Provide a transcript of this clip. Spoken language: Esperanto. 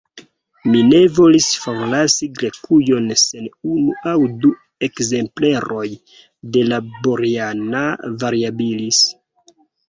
Mi ne volis forlasi Grekujon sen unu aŭ du ekzempleroj de la _Boriana variabilis_.